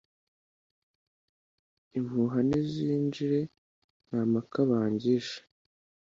Impuha nizijure, Nta mpaka bangisha